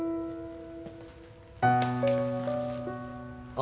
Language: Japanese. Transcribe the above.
あ！